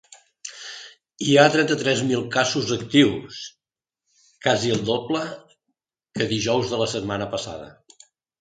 Hi ha trenta-tres mil casos actius, quasi el doble que dijous de la setmana passada.